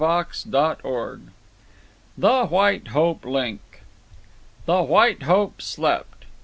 Chapter XVI. The White Hope Link The White Hope slept.